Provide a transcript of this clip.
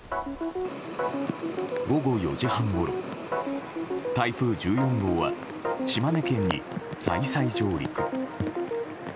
午後４時半ごろ、台風１４号は島根県に再再上陸。